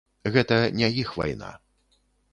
Гэта не іх вайна.